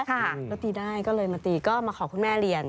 ก็ตีได้ก็เลยมาตีก็มาขอคุณแม่เรียน